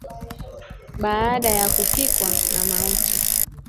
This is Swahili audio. Baada ya kufikwa na mauti